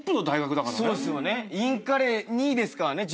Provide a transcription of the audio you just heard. インカレ２位ですからね。